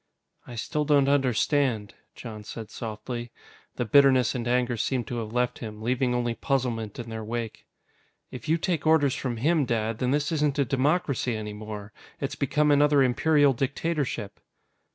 "I still don't understand," Jon said softly. The bitterness and anger seemed to have left him, leaving only puzzlement in their wake. "If you take orders from him, Dad, then this isn't a democracy any more. It's become another Imperial dictatorship."